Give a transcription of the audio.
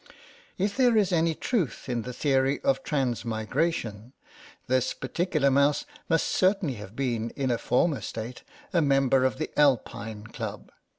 If there is any truth in the theory of transmigration, this particular mouse must certainly have been in a former state a member of the Alpine Club.